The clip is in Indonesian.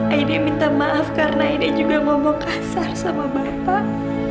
ayah minta maaf karena ini juga ngomong kasar sama bapak